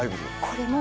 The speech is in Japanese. これも。